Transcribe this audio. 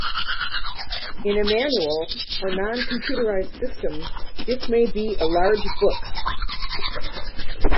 In a manual or non-computerized system this may be a large book.